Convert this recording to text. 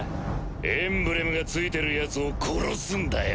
エンブレムが付いてるヤツを殺すんだよ。